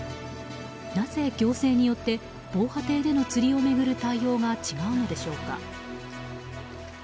なぜ行政によって防波堤での釣りを巡る対応が違うのでしょうか。